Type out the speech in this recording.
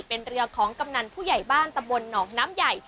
เป็นเรือของกำนันผู้ใหญ่บ้านตำบลหนองน้ำใหญ่